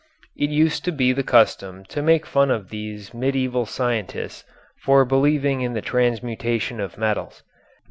It used to be the custom to make fun of these medieval scientists for believing in the transmutation of metals.